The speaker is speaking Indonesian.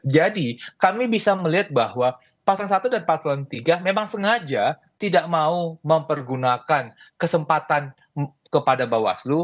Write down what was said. jadi kami bisa melihat bahwa paslon i dan paslon iii memang sengaja tidak mau mempergunakan kesempatan kepada bawaslu